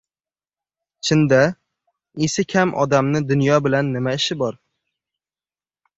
Chin-da, esi kam odamni dunyo bilan nima ishi bor?